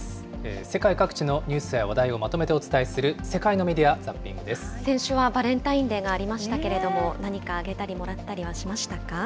世界各地のニュースや話題をまとめてお伝えする世界のメディア・先週はバレンタインデーがありましたけれども、何かあげたり、もらったりはしましたか？